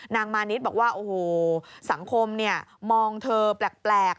มานิดบอกว่าโอ้โหสังคมมองเธอแปลก